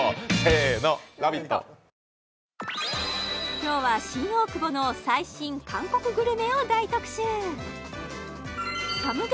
今日は新大久保の最新韓国グルメを大特集！